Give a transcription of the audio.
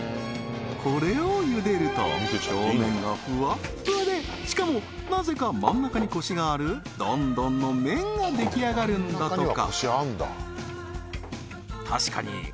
これをゆでると表面がフワッフワでしかもなぜか真ん中にコシがあるどんどんの麺が出来上がるんだとか